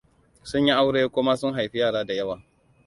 Sun yi aure kuma sun haifi yara da yawa.